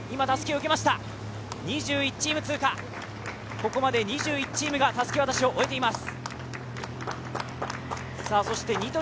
ここまで２１チームがたすき渡しを終えています。